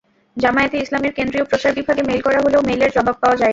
জামায়াতে ইসলামীর কেন্দ্রীয় প্রচার বিভাগে মেইল করা হলেও মেইলের জবাব পাওয়া যায়নি।